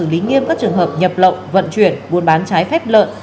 lý nghiêm các trường hợp nhập lộng vận chuyển buôn bán trái phép lợn